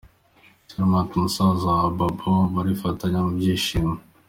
Charmant, musaza wa Babo barifatanya mu byishimo.